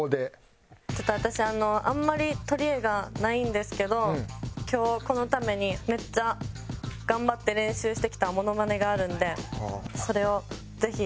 ちょっと私あんまり取りえがないんですけど今日このためにめっちゃ頑張って練習してきたモノマネがあるのでそれをぜひ見ていただきたいです。